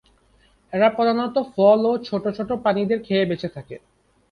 এরা প্রধানত ফল ও ছোটো ছোটো প্রাণীদের খেয়ে বেঁচে থাকে।